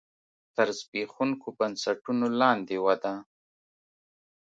تر زبېښونکو بنسټونو لاندې وده.